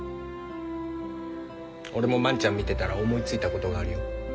俺も万ちゃん見てたら思いついたことがあるよ。